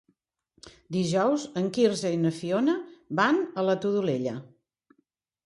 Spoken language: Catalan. Dijous en Quirze i na Fiona van a la Todolella.